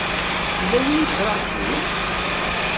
Yella wi y-ittrajun?